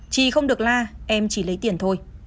chị không được la em chỉ lấy tiền thôi